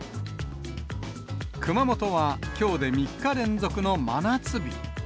熊本は、きょうで３日連続の真夏日。